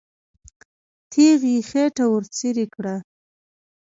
تیغ یې خېټه ورڅېړې کړه.